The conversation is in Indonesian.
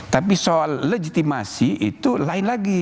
tapi soal legitimasi itu lain lagi